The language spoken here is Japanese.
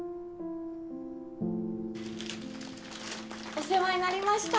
お世話になりました。